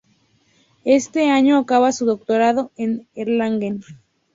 Ese año acaba su doctorado en Erlangen.